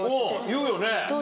言うよね。